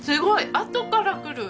あとからくる！